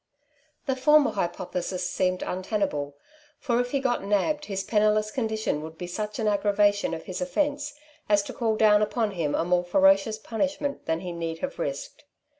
The former hypothesis seemed untenable, for if he got nabbed his penniless condition would be such an aggravation of his offence as to call down upon him a more ferocious punishment than he need have risked.